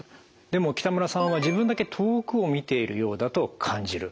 でも北村さんは自分だけ遠くを見ているようだと感じる。